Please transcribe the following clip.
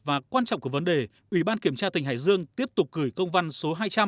và quan trọng của vấn đề ủy ban kiểm tra tỉnh hải dương tiếp tục gửi công văn số hai trăm linh